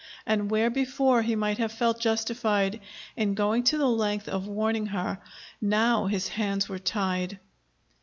And where before he might have felt justified in going to the length of warning her, now his hands were tied.